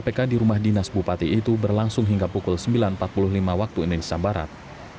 kpk di rumah dinas bupati itu berlangsung hingga pukul sembilan empat puluh lima waktu indonesia barat